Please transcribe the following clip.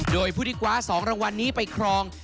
โดยผู้ที่คว้า๒รางวัลนี้ไปครอง